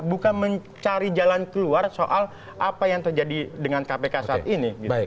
bukan mencari jalan keluar soal apa yang terjadi dengan kpk saat ini